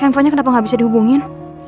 infonya kenapa gak bisa dihubungin